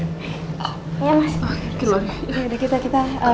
oke keluar ya